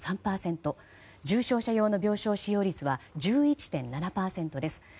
重症者用の病床使用率は１１．７％です。